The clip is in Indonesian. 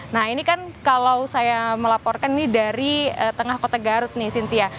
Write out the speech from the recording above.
nah ini kan kalau saya melaporkan ini dari tengah kota garut nih sintia